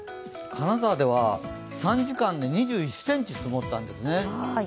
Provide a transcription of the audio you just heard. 金沢では３時間で２１ｃｍ積もったんですね。